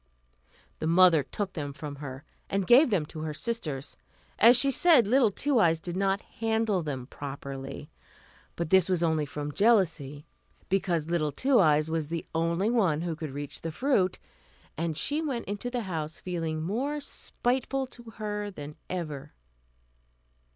The mother took them from her, and gave them to her sisters, as she said little Two Eyes did not handle them properly; but this was only from jealousy, because little Two Eyes was the only one who could reach the fruit, and she went into the house feeling more spiteful to her than ever.